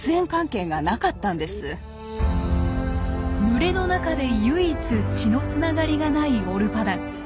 群れの中で唯一血のつながりが無いオルパダン。